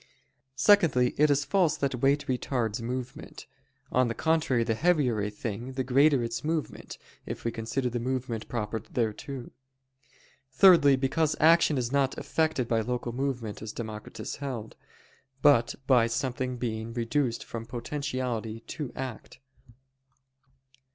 Secondly, it is false that weight retards movement; on the contrary, the heavier a thing, the greater its movement, if we consider the movement proper thereto. Thirdly, because action is not effected by local movement, as Democritus held: but by something being reduced from potentiality to act.